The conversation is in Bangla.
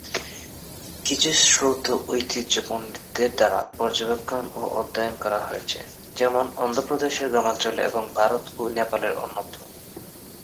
কিছু শ্রৌত ঐতিহ্য পণ্ডিতদের দ্বারা পর্যবেক্ষণ ও অধ্যয়ন করা হয়েছে, যেমন অন্ধ্রপ্রদেশের গ্রামাঞ্চলে এবং ভারত ও নেপালের অন্যত্র।